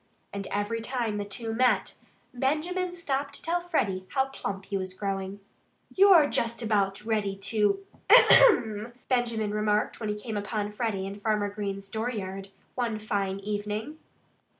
And every time the two met, Benjamin stopped to tell Freddie how plump he was growing. "You're just about ready to AHEM!" Benjamin remarked when he came upon Freddie in Farmer Green's dooryard one fine evening.